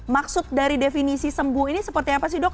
maksud dari definisi sembuh ini seperti apa sih dok